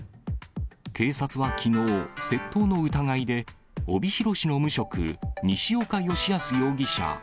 警察はきのう、窃盗の疑いで、帯広市の無職、西岡由泰容疑者